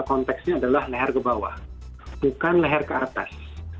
konteksnya adalah leher ke bawah bukan leher ke atas